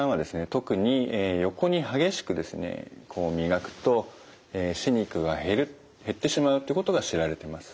特に横に激しくですねこう磨くと歯肉が減る減ってしまうということが知られています。